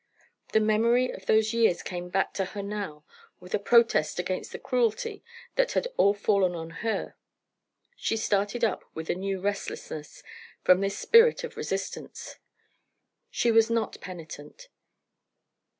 The memory of those years came back to her now with a protest against the cruelty that had all fallen on her. She started up with a new restlessness from this spirit of resistance. She was not penitent.